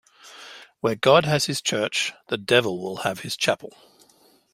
Where God has his church, the devil will have his chapel.